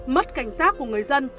mất cảnh sát của người dân